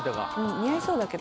似合いそうだけど。